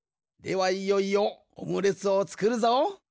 ではいよいよオムレツをつくるぞ。